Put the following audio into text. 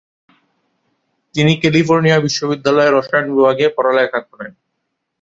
তিনি ক্যালিফোর্নিয়া বিশ্ববিদ্যালয়ে রসায়ন বিভাগে লেখাপড়া করেন।